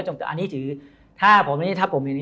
อันนี้ถือถ้าผมเป็นอย่างนี้